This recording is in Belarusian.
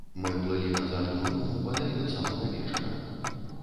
Мы плылі назад к млыну бадай да самага вечара.